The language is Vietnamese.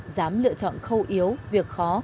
giám lựa chọn khâu yếu việc khó